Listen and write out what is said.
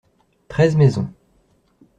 Treize maisons.